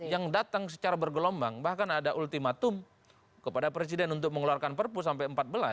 yang datang secara bergelombang bahkan ada ultimatum kepada presiden untuk mengeluarkan perpu sampai empat belas